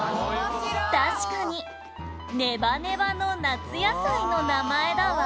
「確かにネバネバの夏野菜の名前だわ」